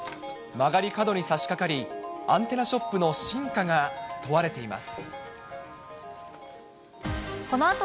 曲がり角にさしかかり、アンテナショップの真価が問われています。